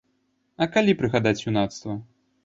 А калі прыгадаць юнацтва?